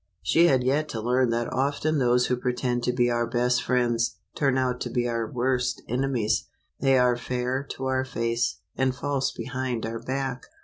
She had yet to learn that often those who pretend to be our best friends, turn out to be our worst enemies. They are fair to our face, and false behind our back.